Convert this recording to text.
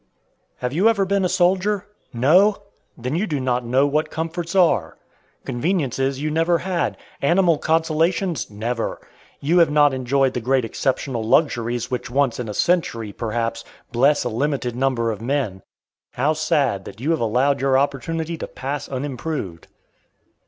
Have you ever been a soldier? No? Then you do not know what comforts are! Conveniences you never had; animal consolations, never! You have not enjoyed the great exceptional luxuries which once in a century, perhaps, bless a limited number of men. How sad, that you have allowed your opportunity to pass unimproved!